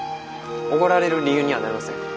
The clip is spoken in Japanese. おごられる理由にはなりません。